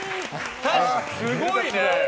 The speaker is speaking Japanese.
すごいね。